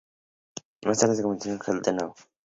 Más tarde, se convirtió en heel de nuevo.